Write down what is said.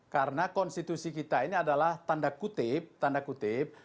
karena konstitusi kita ini adalah tanda kutip